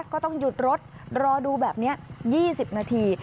ก็ต้องหยุดรถรอดูแบบนี้๒๐นาที